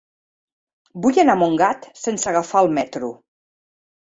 Vull anar a Montgat sense agafar el metro.